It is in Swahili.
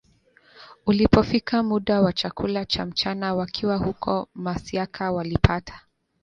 Ulipofika muda wa chakula cha mchana wakiwa huko Masiaka walipata